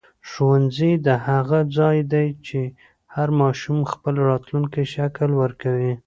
ښوونځی د هغه ځای دی چې هر ماشوم خپل راتلونکی شکل ورکوي.